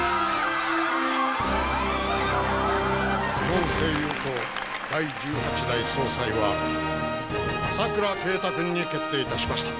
「日本政友党第十八代総裁は朝倉啓太君に決定いたしました」